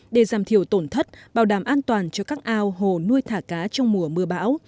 để giảm thiểu tổn thất bảo đảm an toàn cho các ao hồ nuôi thả cá trong mùa mưa bão